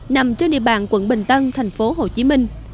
nằm trên địa bàn quận bình tân thành phố hồ chí minh